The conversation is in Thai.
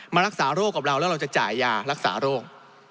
มารักษาโรคกับเราแล้วเราจะจ่ายยารักษาโรค